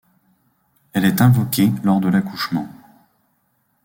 Elle est invoquée lors de l'accouchement.